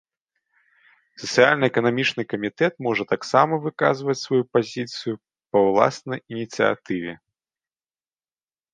Сацыяльна-эканамічны камітэт можа таксама выказваць сваю пазіцыю па ўласнай ініцыятыве.